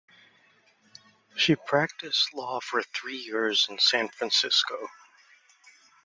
She practiced law for three years in San Francisco.